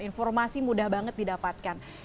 informasi mudah banget didapatkan